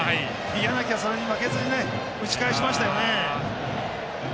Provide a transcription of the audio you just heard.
柳はそれに負けずに打ち返しましたよね。